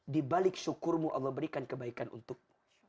di balik syukur mu allah berikan kebaikan untukmu